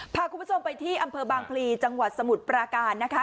พาคุณผู้ชมไปที่อำเภอบางพลีจังหวัดสมุทรปราการนะคะ